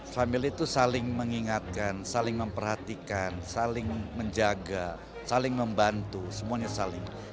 family itu saling mengingatkan saling memperhatikan saling menjaga saling membantu semuanya saling